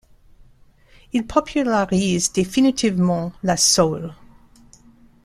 Ils popularisent définitivement la soul.